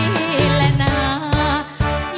มาฟังอินโทรเพลงที่๑๐